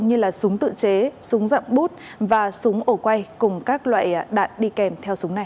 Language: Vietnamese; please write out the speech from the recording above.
như là súng tự chế súng dạng bút và súng ổ quay cùng các loại đạn đi kèm theo súng này